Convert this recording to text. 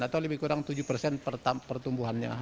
atau lebih kurang tujuh persen pertumbuhannya